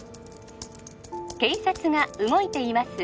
警察が動いています